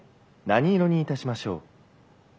何色にいたしましょう？」。